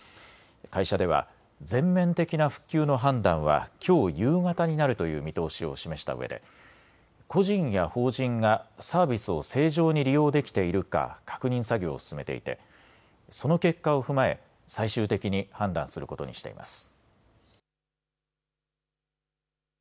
会社では全面的な復旧の判断はきょう夕方になるという見通しを示したうえで個人や法人がサービスを正常に利用できているか確認作業を進めていてその結果を踏まえ最終的に判断することにしています。